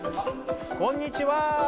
こんにちは。